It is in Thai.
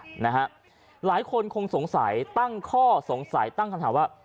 หลายคนคงสงสัยตั้งข้อสงสัยตั้งคำถามว่า